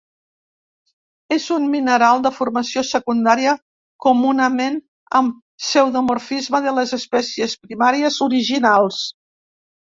És un mineral de formació secundària comunament amb pseudomorfisme de les espècies primàries originals.